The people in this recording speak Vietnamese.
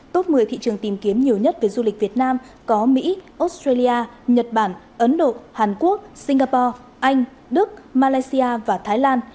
top một mươi thị trường tìm kiếm nhiều nhất về du lịch việt nam có mỹ australia nhật bản ấn độ hàn quốc singapore anh đức malaysia và thái lan